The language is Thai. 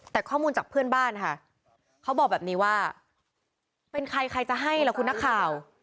แต่ข้อมูลจากเพื่อนบ้านค่ะเขาบอกแบบนี้ว่าเป็นใครใครจะให้ล่ะคุณนักข่าว